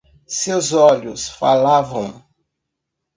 Seus olhos falavam.